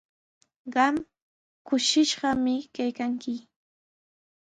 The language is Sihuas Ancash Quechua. Qam kushishqami kaykanki.